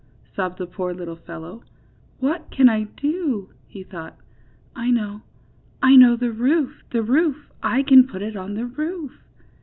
sobbed the poor little fellow. ^^What can I do?" he thought. know; I know — the roof! the roof! I can put it on the roof